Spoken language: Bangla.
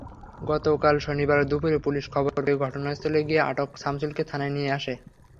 গতকাল শনিবার দুপুরে পুলিশ খবর পেয়ে ঘটনাস্থলে গিয়ে আটক শামসুলকে থানায় নিয়ে আসে।